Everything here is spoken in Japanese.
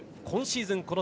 今シーズン